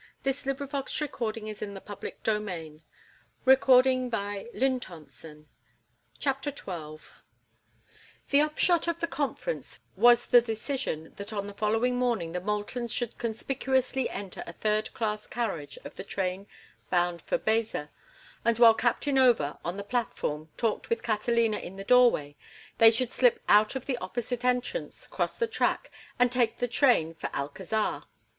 Now, you go and call Cousin Lyman out into the hall, and we'll have a consultation." XII The upshot of the conference was the decision that on the following morning the Moultons should conspicuously enter a third class carriage of the train bound for Baeza, and while Captain Over, on the platform, talked with Catalina in the doorway, they should slip out of the opposite entrance, cross the track, and take the train for Alcazar.